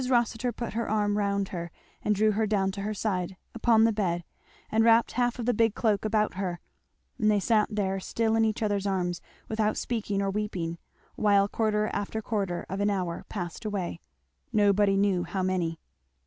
Rossitur put her arm round her and drew her down to her side, upon the bed; and wrapped half of the big cloak about her; and they sat there still in each other's arms, without speaking or weeping, while quarter after quarter of an hour passed away, nobody knew how many.